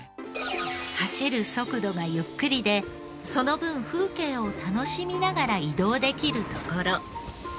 走る速度がゆっくりでその分風景を楽しみながら移動できるところ。